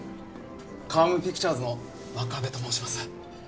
カームピクチャーズの真壁と申します。